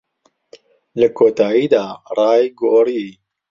لە کۆتاییدا، ڕای گۆڕی.